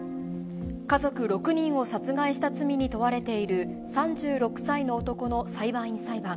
家族６人を殺害した罪に問われている、３６歳の男の裁判員裁判。